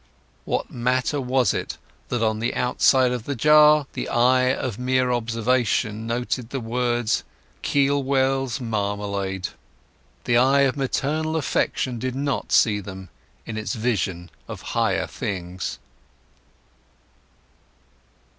What matter was it that on the outside of the jar the eye of mere observation noted the words "Keelwell's Marmalade"? The eye of maternal affection did not see them in its vision of higher things.